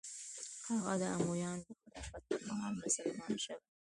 هغه د امویانو د خلافت پر مهال مسلمان شوی.